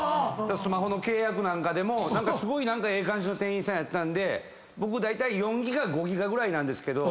スマホの契約なんかでもすごいええ感じの店員さんやったんで僕だいたい４ギガ５ギガぐらいなんですけど。